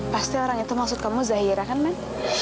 pasti orang itu maksud kamu zahira kan man